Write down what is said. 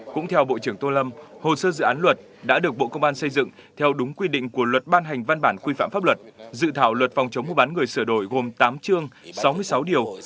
cũng theo bộ trưởng tô lâm hồ sơ dự án luật đã được bộ công an xây dựng theo đúng quy định của luật ban hành văn bản quy phạm pháp luật dự thảo luật phòng chống mua bán người sửa đổi gồm tám chương sáu mươi sáu điều